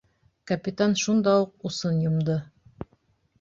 Капитан шунда уҡ усын йомдо.